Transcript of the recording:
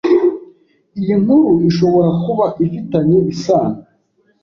Iyi nkuru ishobora kuba ifitanye isano